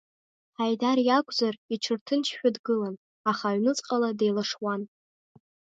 Ҳаидар иакәзар, иҽырҭынчшәа дгылан, аха ҩныҵҟала деилашуан.